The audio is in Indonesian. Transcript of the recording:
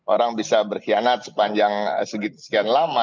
orang bisa berkhianat sepanjang sekian lama